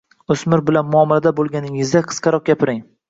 O‘smir bilan muomalada bo‘lganingizda, qisqaroq gapiring.